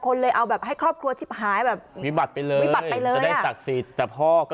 ความเข้มข้นของที่เงินราคาคำสาบาน